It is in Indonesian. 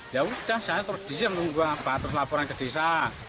ya udah saya turun desa menunggu terus laporan ke desa